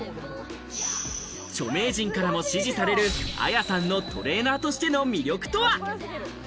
著名人からも支持されるＡＹＡさんのトレーナーとしての魅力とは？